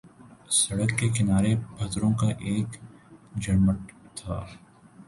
سڑک کے کنارے پتھروں کا ایک جھرمٹ تھا